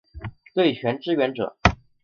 对拳支援者